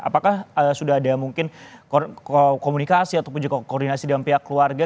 apakah sudah ada mungkin komunikasi ataupun juga koordinasi dengan pihak keluarga